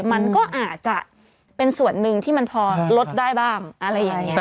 มันก็อาจจะเป็นส่วนหนึ่งที่มันพอลดได้บ้างอะไรอย่างนี้